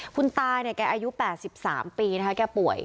คุณตาเนี่ยแกอายุ๘๓ปีนะคะแกป่วย